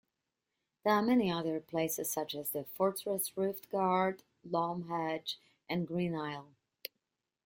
There are many other places, such as the fortress Riftgard, Loamhedge, and Green Isle.